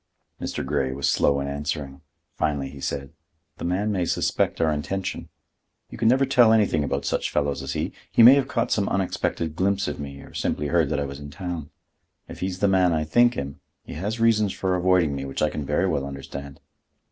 Mr. Grey was slow in answering. Finally he said: "The man may suspect our intention. You can never tell anything about such fellows as he. He may have caught some unexpected glimpse of me or simply heard that I was in town. If he's the man I think him, he has reasons for avoiding me which I can very well understand.